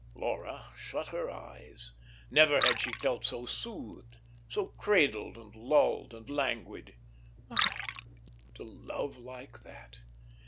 Laura shut her eyes. Never had she felt so soothed, so cradled and lulled and languid. Ah, to love like that!